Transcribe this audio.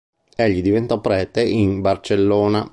Egli diventò prete in Barcellona.